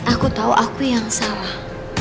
aku tahu aku yang salah